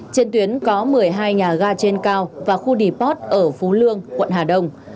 trên tuyến có một mươi hai nhà ga trên cao và khu deport ở phú lương quận hà đông